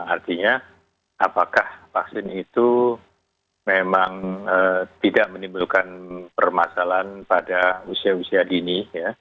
artinya apakah vaksin itu memang tidak menimbulkan permasalahan pada usia usia dini